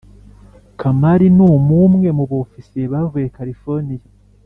Kamari numumwe mubofisiye bavuye carifoniya